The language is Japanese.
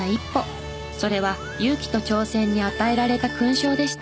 それは勇気と挑戦に与えられた勲章でした。